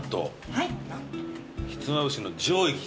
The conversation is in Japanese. はい。